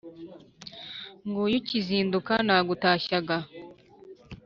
nguyu kizinduka nagutashyaga